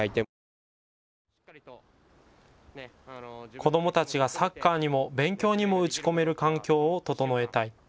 子どもたちがサッカーにも勉強にも打ち込める環境を整えたい。